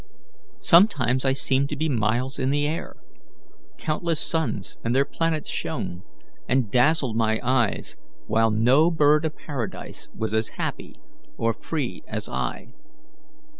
Sometimes I seemed to be miles in air; countless suns and their planets shone, and dazzled my eyes, while no bird of paradise was as happy or free as I.